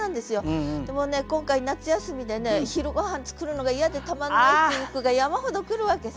もうね今回夏休みでね昼ごはん作るのが嫌でたまんないっていう句が山ほど来るわけさ。